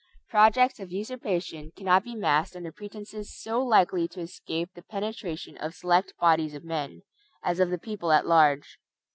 Projects of usurpation cannot be masked under pretenses so likely to escape the penetration of select bodies of men, as of the people at large.